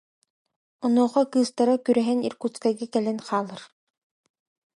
Онуоха кыыстара күрэһэн Иркутскайга кэлэн хаалар